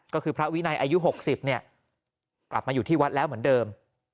ก็คือพระวินัยอายุ๖๐เนี่ยกลับมาอยู่ที่วัดแล้วเหมือนเดิม